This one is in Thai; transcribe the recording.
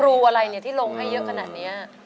รูอะไรที่ลงให้เยอะขนาดนี้